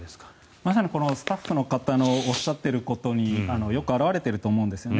まさにスタッフの方のおっしゃっていることによく表れていると思うんですよね。